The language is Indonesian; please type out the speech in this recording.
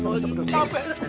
capek bener kum saya